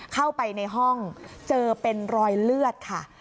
เข้าไปในห้องเจอเป็นรอยเลือดค่ะ